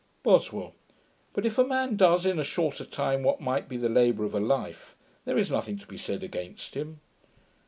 BOSWELL. 'But if a man does in a shorter time what might be the labour of a life, there is nothing to be said against him.'